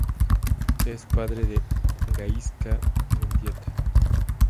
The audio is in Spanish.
Es padre de Gaizka Mendieta.